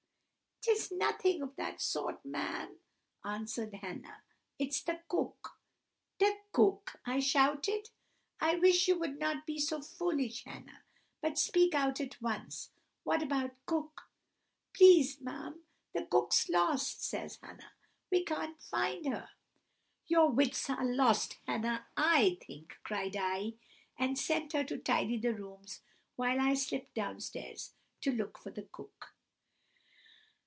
"'It's nothing of that sort, ma'am,' answered Hannah, 'it's the cook!' "'The cook!' I shouted. 'I wish you would not be so foolish, Hannah, but speak out at once. What about Cook?' "'Please, m'm, the cook's lost!' says Hannah. 'We can't find her!' "'Your wits are lost, Hannah, I think,' cried I, and sent her to tidy the rooms while I slipt downstairs to look for the cook.